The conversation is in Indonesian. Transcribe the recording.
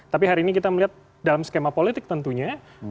tapi hari ini kita melihat dalam skema politik tentunya